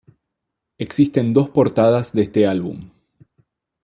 Existen dos portadas de este álbum.